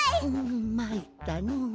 んまいったのう。